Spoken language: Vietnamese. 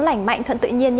lảnh mạnh thuận tự nhiên